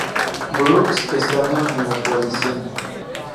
Brooks estando en la Coalición.